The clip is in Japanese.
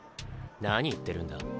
何言ってるんだ？